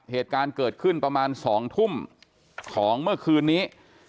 เหตุการณ์เกิดขึ้นประมาณ๒ทุ่มของเมื่อคืนนี้